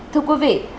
thưa quý vị